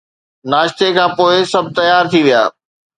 ناشتي کان پوءِ سڀ تيار ٿي ويا